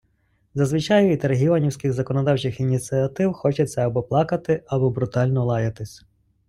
Зазвичай від регіонівських законодавчих ініціатив хочеться або плакати, або брутально лаятися.